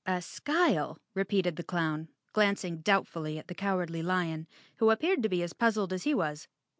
"A skyle?" repeated the clown, glancing doubtfully at the Cowardly Lion, who appeared to be as puzzled as he was.